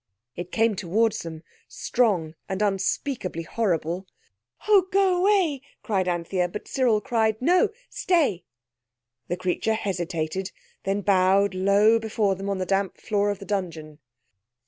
It came towards them, strong and unspeakably horrible. "Oh, go away," cried Anthea; but Cyril cried, "No; stay!" The creature hesitated, then bowed low before them on the damp floor of the dungeon.